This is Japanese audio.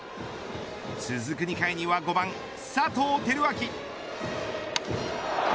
続く２回には５番、佐藤輝明。